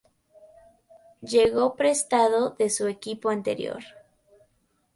Llegó prestado de su equipo anterior.